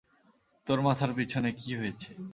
তোর মাথার পিছনে কি হয়েছে?